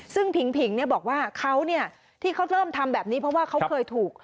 ซึ่งผิงผิงบอกว่าเขาเนี่ยที่เขาเริ่มทำแบบนี้เพราะว่าเขาเคยถูก